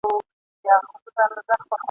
خو د ننګ خلک دي جنګ ته لمسولي !.